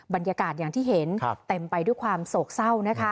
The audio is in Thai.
บรรยากาศอย่างที่เห็นเต็มไปด้วยความโศกเศร้านะคะ